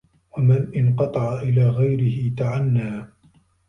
وَمَنْ انْقَطَعَ إلَى غَيْرِهِ تَعَنَّى